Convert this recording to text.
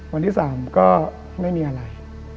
วันที่๓ก็ไม่มีอะไร